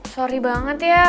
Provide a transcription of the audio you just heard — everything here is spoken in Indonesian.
sorry banget ya